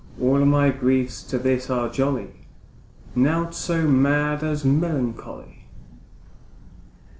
All my griefs to this are jolly, Naught so mad as melancholy.